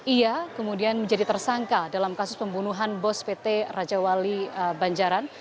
ia kemudian menjadi tersangka dalam kasus pembunuhan bos pt raja wali banjaran